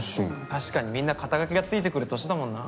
・確かにみんな肩書がついてくる年だもんな。